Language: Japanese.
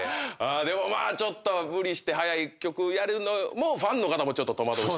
でもまあちょっと無理して速い曲やるのもファンの方も戸惑うし。